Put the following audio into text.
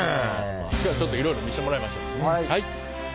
今日はちょっといろいろ見してもらいましょう。